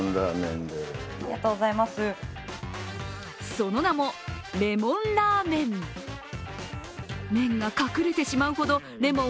その名も、レモンラーメン。